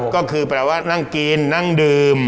ก็คือแปลว่านั่งกินนั่งดื่ม